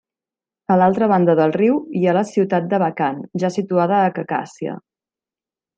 A l'altra banda del riu hi ha la ciutat d'Abakan ja situada a Khakàssia.